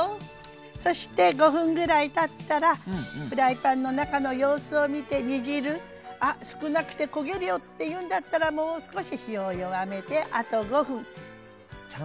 そして５分ぐらいたったらフライパンの中の様子を見て煮汁あっ少なくて焦げるよっていうんだったらもう少し火を弱めてあと５分。